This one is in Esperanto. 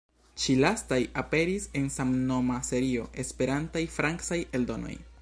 Ĉi-lastaj aperis en samnoma serio "Esperantaj francaj eldonoj".